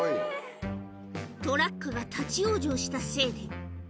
トラックが立往生したせいで。